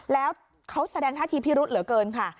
แล้วเขาแสดงท่าทีพิรุธเหลือเกินค่ะ